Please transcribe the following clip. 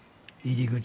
入り口？